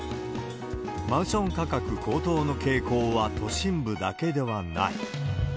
マンション価格高騰の傾向は都心部だけではない。